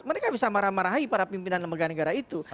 mereka bisa marah marahi para pimpinan lembaga negara itu